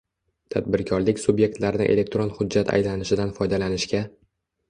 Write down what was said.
tadbirkorlik subyektlarini elektron hujjat aylanishidan foydalanishga